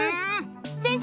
先生！